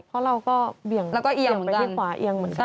เพราะเราก็เอียงไปที่ขวาเอียงเหมือนกัน